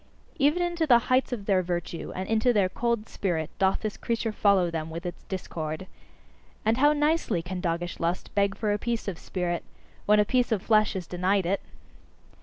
Even into the heights of their virtue and into their cold spirit doth this creature follow them, with its discord. And how nicely can doggish lust beg for a piece of spirit, when a piece of flesh is denied it!